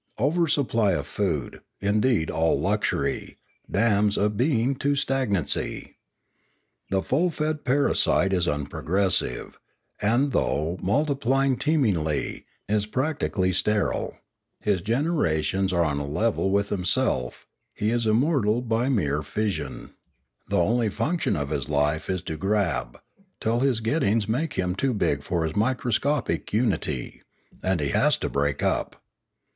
Over supply of food, indeed all luxury, damns a being to stagnancy. The full fed parasite is unprogressive, and, though multiplying teemingly, is practically sterile; his generations are on a level with himself; he is immortal by mere fission; the only func tion of his life is to grab, till his gettings make him too big for his microscopic unity, and he has to break up.